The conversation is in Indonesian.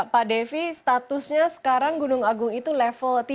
pak devi statusnya sekarang gunung agung itu level tiga